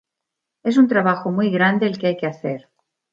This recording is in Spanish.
Es un trabajo muy grande el que hay que hacer.